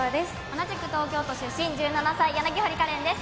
同じく東京都出身、１７歳柳堀花怜です。